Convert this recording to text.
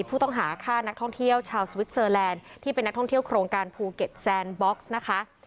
ผู้ต้องหาฆ่านักท่องเที่ยวชาวสวิสเซอร์แลนด์ที่เป็นนักท่องเที่ยวโครงการภูเก็ตแซนบ็อกซ์นะคะ